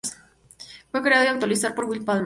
Fue creado, y actualizado por Wil Palma.